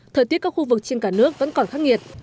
thời tiết các khu vực trên cả nước vẫn còn khắc nghiệt